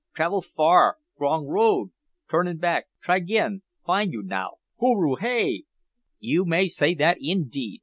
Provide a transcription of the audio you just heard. Travil far g'rong road turin bak try agin fin' yoo now hooroo hay!" "You may say that, indeed.